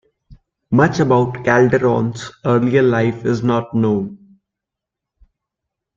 Much about Calderon's earlier life is not known.